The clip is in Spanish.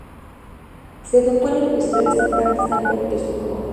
Se educó en la Universidad Estatal de San Petersburgo.